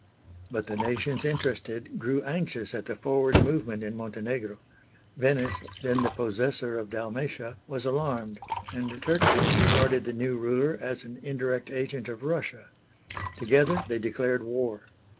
But the nations interested grew anxious at the forward movement in Montenegro. Venice, then the possessor of Dalmatia, was alarmed, and Turkey regarded the new ruler as an indirect agent of Russia. Together they declared war.